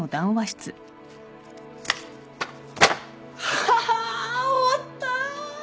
はぁ終わった！